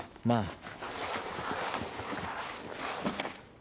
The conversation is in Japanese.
まあ。